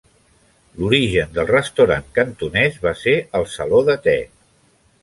L'origen del restaurant cantonès va ser el saló de te.